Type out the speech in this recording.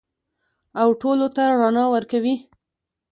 او ټولو ته رڼا ورکوي.